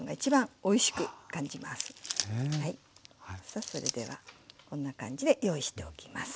さあそれではこんな感じで用意しておきます。